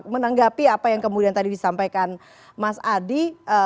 menanggapi apa yang kemudian tadi disampaikan mas adi